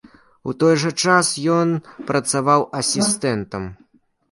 У той жа час ён працаваў асістэнтам.